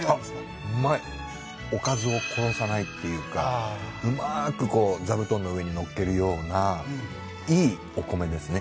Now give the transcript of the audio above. おかずを殺さないっていうかうまく座布団の上にのっけるようないいお米ですね。